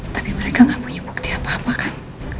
tapi mereka gak punya bukti apa apa kan